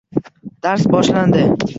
Dars boshlandi